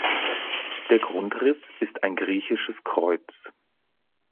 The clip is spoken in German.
Der Grundriss ist ein Griechisches Kreuz.